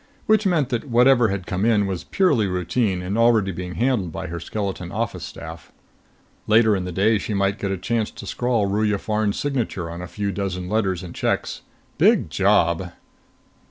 Which meant that whatever had come in was purely routine and already being handled by her skeleton office staff. Later in the day she might get a chance to scrawl Ruya Farn's signature on a few dozen letters and checks. Big job!